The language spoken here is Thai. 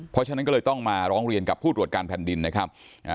เพราะฉะนั้นก็เลยต้องมาร้องเรียนกับผู้ตรวจการแผ่นดินนะครับ